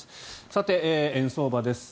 さて、円相場です。